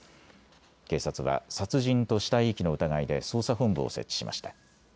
警察は殺人と死体遺棄の疑いで捜査本部を設置しました。